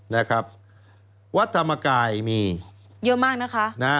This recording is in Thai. เยอะมากนะคะ